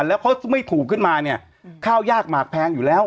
แล้วเขาไม่ถูกขึ้นมาเนี่ยข้าวยากหมากแพงอยู่แล้ว